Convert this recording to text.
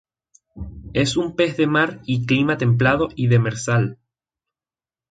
Es un pez de mar y Clima templado y demersal.